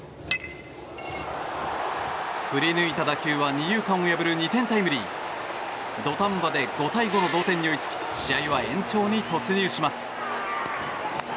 振り抜いた打球は二遊間を破る２点タイムリー土壇場で５対５の同点に追いつき試合は延長に突入します。